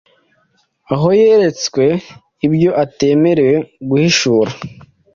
aho yeretswe ibyo atemerewe guhishura.